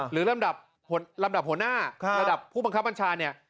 หรือระดับหัวหน้าระดับผู้บังคับบัญชา